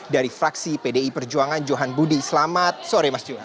dari fraksi pdi perjuangan johan budi selamat sore mas johan